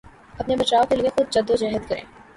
اپنے بچاؤ کے لیے خود جدوجہد کریں